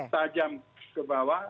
tajam ke bawah